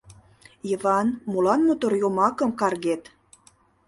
— Йыван, молан мотор йомакым каргет?